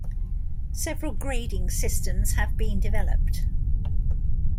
Several grading systems have been developed.